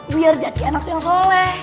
biar jadi anak yang soleh